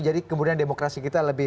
kemudian demokrasi kita lebih